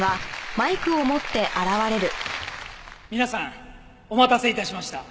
皆さんお待たせ致しました。